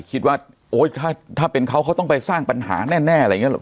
คิดว่าถ้าเป็นเขาเขาต้องไปสร้างปัญหาแน่